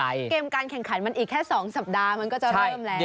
เกมการแข่งขันมันอีกแค่๒สัปดาห์มันก็จะเริ่มแล้ว